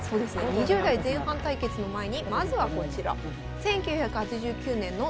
２０代前半対決の前にまずはこちら。